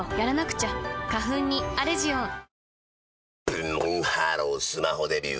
ブンブンハロースマホデビュー！